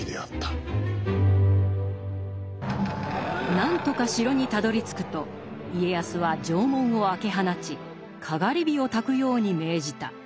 何とか城にたどりつくと家康は城門を開け放ちかがり火をたくように命じた。